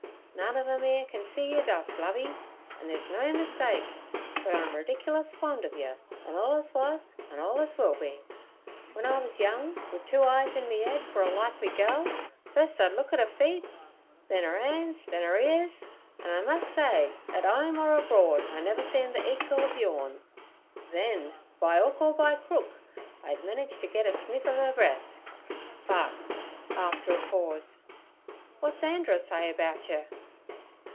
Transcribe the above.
'None ov 'em 'ere can see your dust, Lovey; an' theere's no mistake, but I'm ridiculous fond ov yer, an' allus was, an' allus will be. W'en I wuz young, wi' two eyes in me 'ead for a likely gel, fust I'd look at 'er feet, then 'er 'an's, then 'er ears—an' I mus' say at 'ome or abroad I never see the ekal ov yourn—then, by 'ook or by crook, I'd menage t' git a sniff ov 'er breath. But'—after a pause—'w'at's Andrer say about yer?'